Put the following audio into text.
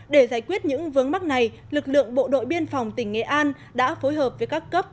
để giải quyết những vướng mắt này lực lượng bộ đội biên phòng tỉnh nghệ an đã phối hợp với các cấp